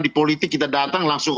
di politik kita datang langsung